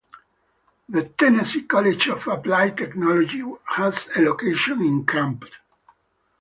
The Tennessee College of Applied Technology has a location in Crump.